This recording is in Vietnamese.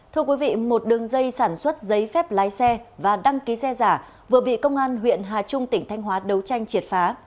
thưa quý vị một đường dây sản xuất giấy phép lái xe và đăng ký xe giả vừa bị công an huyện hà trung tỉnh thanh hóa đấu tranh triệt phá